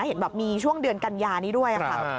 เห็นแบบมีช่วงเดือนกันยานี้ด้วยค่ะ